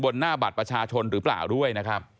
บนหน้าบัตรประชาชนหรือเปล่าด้วย